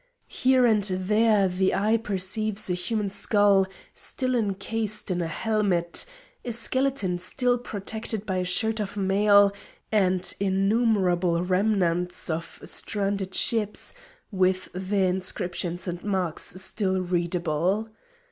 Here and there the eye perceives a human skull still encased in a helmet, a skeleton still protected by a shirt of mail, and innumerable remnants of stranded ships with their inscriptions and marks still readable.